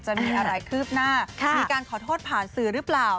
จะมีอะไรคืบหน้ามีการขอโทษผ่านสื่อหรือเปล่า